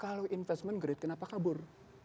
kalau investment grade kenapa kabur